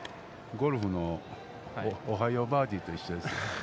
ゴルフのおはようバーディーと一緒です。